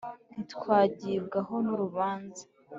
ntitwagibwaho n'urubanza.